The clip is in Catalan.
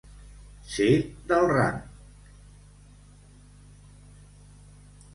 Ser del ram.